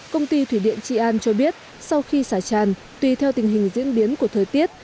công ty thủy điện trị an cho biết sau khi xả tràn tùy theo tình hình diễn biến của thời tiết